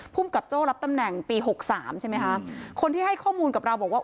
ภูมิกับโจ้รับตำแหน่งปีหกสามใช่ไหมคะคนที่ให้ข้อมูลกับเราบอกว่า